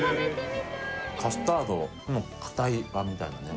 カスタードの硬い版みたいなね